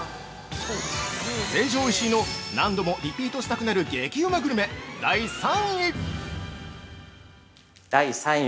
◆成城石井の何度もリピートしたくなる激ウマグルメ、第３位！